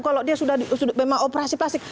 kalau dia sudah memang operasi plastik